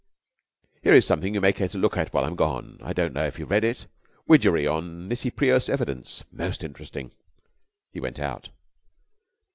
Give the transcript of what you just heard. "Here is something you may care to look at while I'm gone. I don't know if you have read it? Widgery on Nisi Prius Evidence. Most interesting." He went out.